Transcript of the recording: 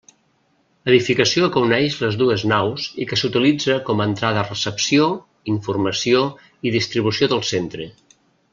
Edificació que uneix les dues naus i que s'utilitza com a entrada-recepció, informació i distribució del centre.